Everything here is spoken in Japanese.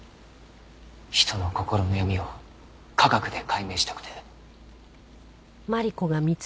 人の心の闇を科学で解明したくて。